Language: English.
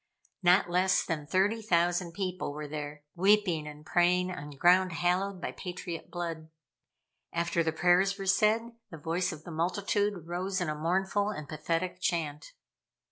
Not less than thirty thousand people were there, weeping and praying on ground hallowed by patriot blood. After the prayers were said, the voice of the multitude rose in a mournful and pathetic chant.